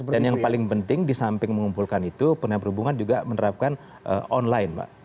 dan yang paling penting di samping mengumpulkan itu penerbangan juga menerapkan online